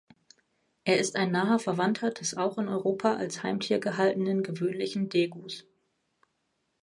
Er ist ein naher Verwandter des auch in Europa als Heimtier gehaltenen Gewöhnlichen Degus.